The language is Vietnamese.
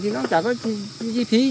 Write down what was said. thì nó chẳng có chi phí